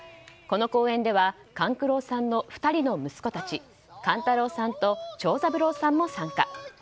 この公演では勘九郎さんの２人の息子たち勘太郎さんと長三郎さんも参加。